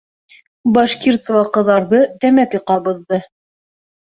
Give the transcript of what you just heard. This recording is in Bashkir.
Башкирцева ҡыҙарҙы, тәмәке ҡабыҙҙы.